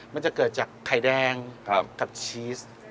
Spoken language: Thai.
มันจะเกิดจากไข่แดงกับชีส